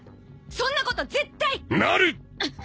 そんなこと絶対なる！